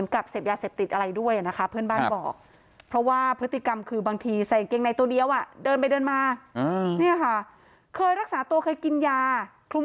ก็ได้ยินว่าคนตกกันตรงนู้นเลยเปิดตู้เล่นไปเล่กันทีนั้น